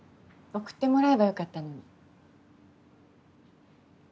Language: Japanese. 送ってもらえばよかったのに。